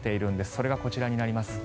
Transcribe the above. それがこちらになります。